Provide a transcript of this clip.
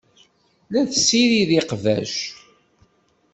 La tessirid iqbac.